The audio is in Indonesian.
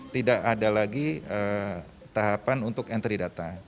tidak ada lagi tahapan untuk entry data